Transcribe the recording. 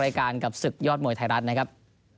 กับศึกยอดมวยไทยรัฐนะครับ